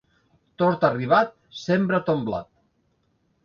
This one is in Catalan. Tord arribat, sembra ton blat.